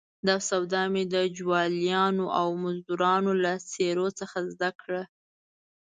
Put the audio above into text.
دا سواد مې د جوالیانو او مزدروانو له څېرو څخه زده کړ.